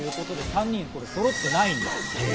３人そろってないんです。